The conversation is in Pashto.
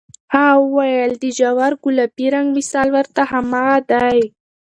هغه وویل، د ژور ګلابي رنګ مثال ورته هماغه دی.